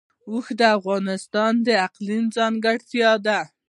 اوښ د افغانستان د اقلیم ځانګړتیا ده.